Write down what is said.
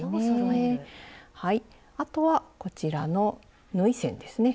あとはこちらの縫い線ですね。